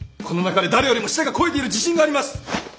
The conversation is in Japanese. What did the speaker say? この中で誰よりも舌が肥えている自信があります！